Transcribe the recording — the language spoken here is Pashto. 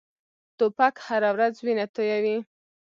توپک هره ورځ وینه تویوي.